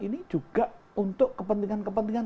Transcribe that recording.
ini juga untuk kepentingan kepentingan